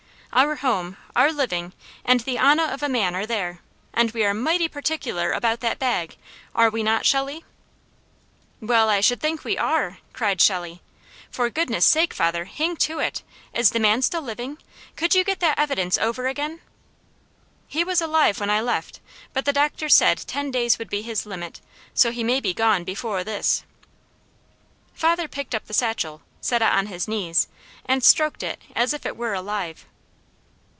Our home, our living, and the honah of a man are there, and we are mighty particular about that bag, are we not, Shelley?" "Well I should think we are!" cried Shelley. "For goodness sake, father, hang to it! Is the man still living? Could you get that evidence over again?" "He was alive when I left, but the doctors said ten days would be his limit, so he may be gone befowr this." Father picked up the satchel, set it on his knees, and stroked it as if it were alive.